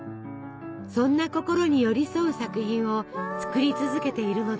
そんな心に寄り添う作品を作り続けているのです。